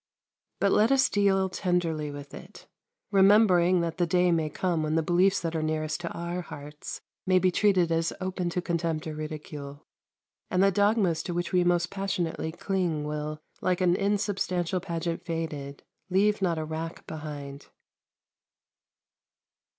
But let us deal tenderly with it, remembering that the day may come when the beliefs that are nearest to our hearts may be treated as open to contempt or ridicule, and the dogmas to which we most passionately cling will, "like an insubstantial pageant faded, leave not a wrack behind."